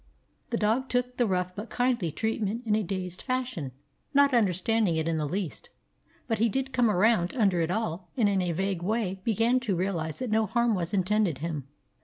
The dog took the rough but kindly treat ment in a dazed fashion, not understanding it in the least. But he did come around under it all and in a vague way began to realize that no harm was intended him.